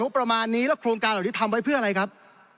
ประมาณนี้แล้วโครงการเหล่านี้ทำไว้เพื่ออะไรครับ